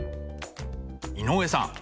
井上さん。